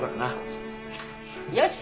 よし。